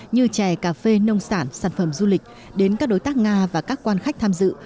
như chè cà phê nông sản sản phẩm du lịch đến các đối tác nga và các quan khách tham dự